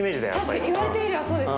確かに言われてみればそうですね。